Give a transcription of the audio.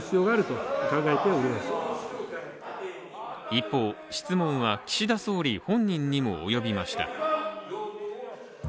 一方、質問は岸田総理本人にもおよびました。